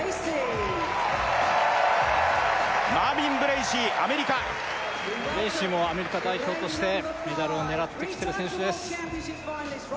マービン・ブレーシーアメリカブレーシーもアメリカ代表としてメダルを狙ってきてる選手です